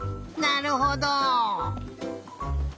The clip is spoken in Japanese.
なるほど！